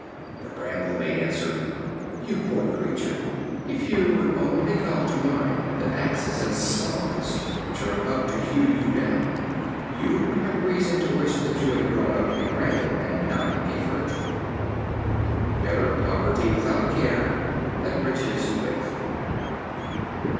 The Bramble made answer: "You poor creature, if you would only call to mind the axes and saws which are about to hew you down, you would have reason to wish that you had grown up a Bramble, not a Fir Tree." Better poverty without care, than riches with.